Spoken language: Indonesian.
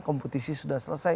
kompetisi sudah selesai